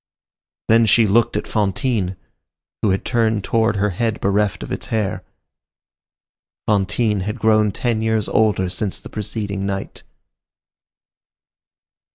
Then she looked at Fantine, who turned toward her her head bereft of its hair. Fantine had grown ten years older since the preceding night.